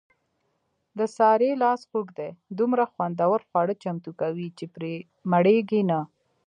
د سارې لاس خوږ دی دومره خوندور خواړه چمتو کوي، چې پرې مړېږي نه.